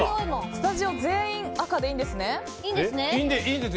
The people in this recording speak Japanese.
スタジオ全員赤でいいんですね。